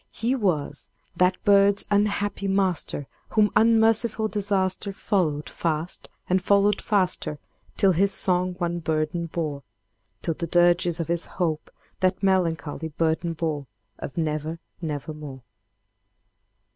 He was that bird's "'Unhappy master whom unmerciful Disaster Followed fast and followed faster till his songs one burden bore— Till the dirges of his Hope that melancholy burden bore Of 'Never—never more.